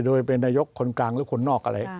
โดยเป็นนายกคนกลางหรือคนนอกอะไร